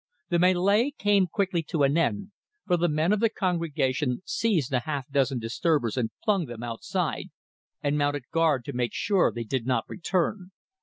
The melee came quickly to an end, for the men of the congregation seized the half dozen disturbers and flung them outside, and mounted guard to make sure they did not return.